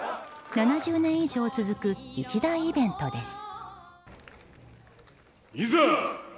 ７０年以上続く一大イベントです。